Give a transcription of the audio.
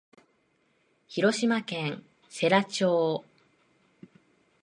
広島県世羅町